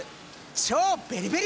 超ベリベリ